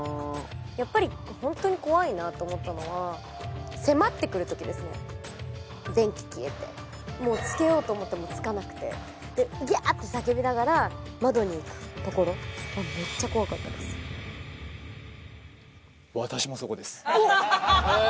やっぱりホントに怖いなと思ったのは電気消えてもうつけようと思ってもつかなくてでギャーッて叫びながら窓に行くところめっちゃ怖かったですへえ